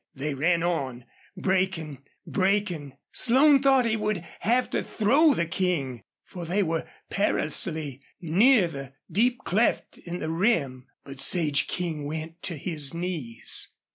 They ran on, breaking, breaking. Slone thought he would have to throw the King, for they were perilously near the deep cleft in the rim. But Sage King went to his knees.